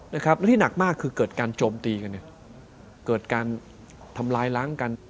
และที่หนักมากคือเกิดการโจมตีกันเนี่ยเกิดการทำร้ายล้างกัน